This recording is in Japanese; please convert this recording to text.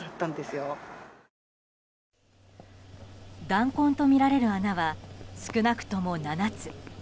弾痕とみられる穴は少なくとも７つ。